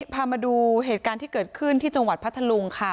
พามาดูเหตุการณ์ที่เกิดขึ้นที่จังหวัดพัทธลุงค่ะ